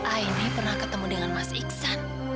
aini pernah ketemu dengan mas iksan